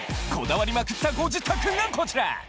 こだわりまくったご自宅がこちら。